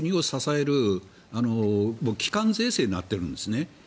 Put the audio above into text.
消費税はこの国を支える機関税制になっているんです。